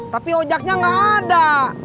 tapi ojaknya gak ada